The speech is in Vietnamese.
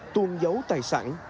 tuôn giấu tài sản